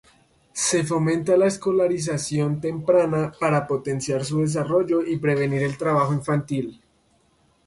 Se fomenta la escolarización temprana para potenciar su desarrollo y prevenir el trabajo infantil.